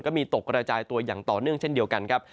ก็มีตกกระจายตัวอย่างต่อเนื่องเช่นเดียวกันครับ